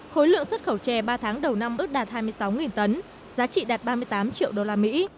khối lượng xuất khẩu chè ba tháng đầu năm ước đạt hai mươi sáu tấn giá trị đạt ba mươi tám triệu đô la mỹ